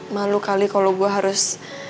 malu kali kalau gue harus